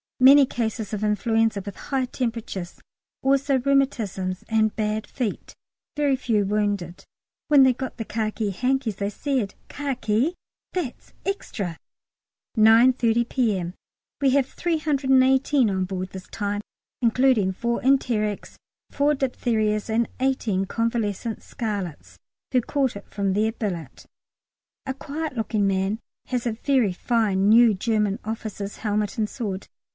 Many cases of influenza with high temperatures, also rheumatisms and bad feet, very few wounded. When they got the khaki hankies they said, "Khaki? that's extra!" 9.30 P.M. We have 318 on board this time, including four enterics, four diphtherias, and eighteen convalescent scarlets (who caught it from their billet). A quiet looking little man has a very fine new German officer's helmet and sword.